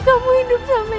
kamu hidup sampai sekarang